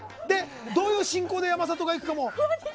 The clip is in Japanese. どういう進行で山里が行くかも。